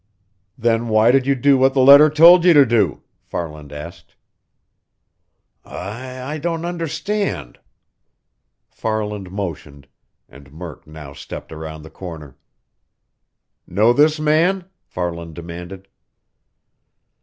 "Then why did you do what the letter told you to do?" Farland asked. "I I don't understand." Farland motioned, and Murk now stepped around the corner. "Know this man?" Farland demanded.